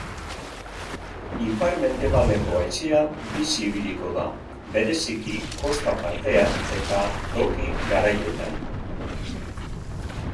Ipar-mendebaldeko haizea bizi ibiliko da, bereziki kosta partean eta toki garaietan.